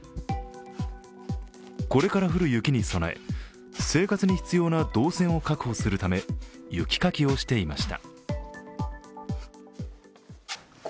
これから降る雪に備え、生活に必要な動線を確保するため雪かきをしていました。